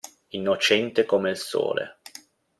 Innocente come il sole!